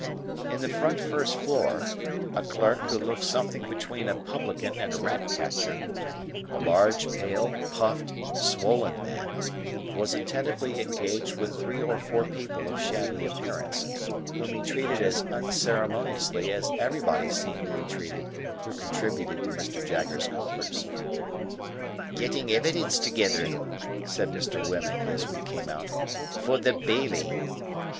In the front first floor, a clerk who looked something between a publican and a rat catcher—a large pale, puffed, swollen man—was attentively engaged with three or four people of shabby appearance, whom he treated as unceremoniously as everybody seemed to be treated who contributed to Mr. Jaggers's coffers. "Getting evidence together," said Mr. Wemmick, as we came out, "for the Bailey."